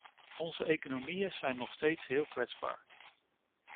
Onze economieën zijn nog steeds heel kwetsbaar.